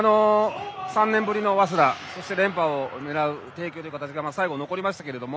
３年ぶりの早稲田そして、連覇を狙う帝京が最後、残りましたが。